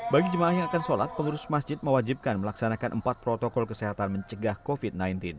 bagi jemaah yang akan sholat pengurus masjid mewajibkan melaksanakan empat protokol kesehatan mencegah covid sembilan belas